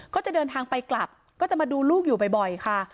ก็จะเดินทางไปกลับก็จะมาดูลูกอยู่บ่อยค่ะ